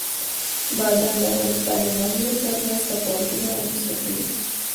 بادام د افغانستان د ناحیو ترمنځ تفاوتونه رامنځ ته کوي.